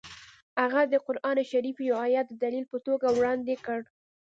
هغه د قران شریف یو ایت د دلیل په توګه وړاندې کړ